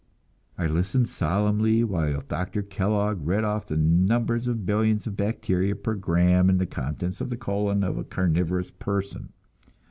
I listened solemnly while Doctor Kellogg read off the numbers of billions of bacteria per gram in the contents of the colon of a carnivorous person.